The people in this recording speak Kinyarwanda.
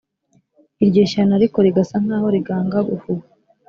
iryo shyano ariko rigasa nk’aho rigangahuwe